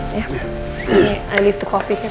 aku tinggalkan kopi untuk kamu